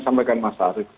disampaikan mas arief